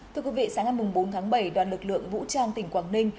thưa quý vị sáng ngày bốn tháng bảy đoàn lực lượng vũ trang tỉnh quảng ninh